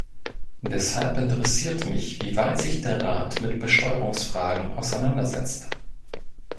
Deshalb interessiert mich, wie weit sich der Rat mit Besteuerungsfragen auseinander setzt.